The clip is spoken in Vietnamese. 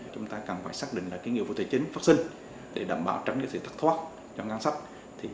chúng ta cần phải xác định là nghiệp vụ tài chính phát sinh để đảm bảo trắng sự thất thoát cho ngang sách